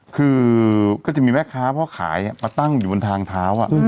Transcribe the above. คือก็จะมีแม่ค้าพ่อขายมาตั้งอยู่บนทางเท้า